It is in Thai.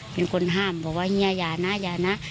เป็นคนห้ามบอกว่าเฮียอย่านะอย่านะ